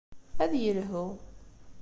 Ad yelhu.